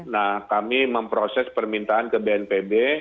nah kami memproses permintaan ke bnpb